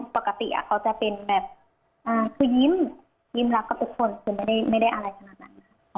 ปกติเขาจะเป็นแบบคือยิ้มยิ้มรับกับทุกคนคือไม่ได้อะไรขนาดนั้น